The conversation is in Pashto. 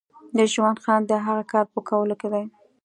د ژوند خوند د هغه کار په کولو کې دی.